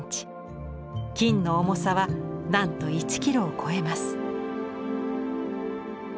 金の重さはなんと１ｋｇを超えます。